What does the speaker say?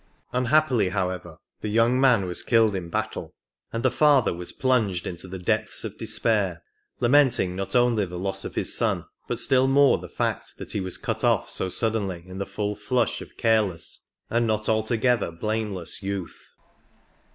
Unhappily, however, the young man was killed in battle, and the father was plunged into the depths of despair, lamenting not only the loss of his son, but still more the fact that he was cut off so suddenly in the full flush of careless and not altogether blameless youth.